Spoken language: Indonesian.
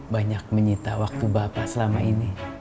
banyak menyita waktu bapak selama ini